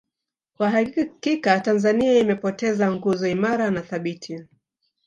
Kwa hakika Tanzania imepoteza nguzo imara na thabiti